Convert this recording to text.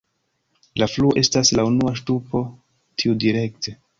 La fluo estas la unua ŝtupo tiudirekte.